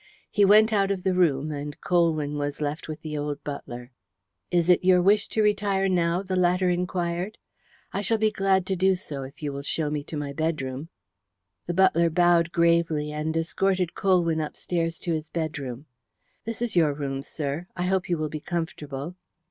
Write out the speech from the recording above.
He went out of the room, and Colwyn was left with the old butler. "Is it your wish to retire now?" the latter inquired. "I shall be glad to do so, if you will show me to my bedroom." The butler bowed gravely, and escorted Colwyn upstairs to his bedroom. "This is your room, sir. I hope you will be comfortable."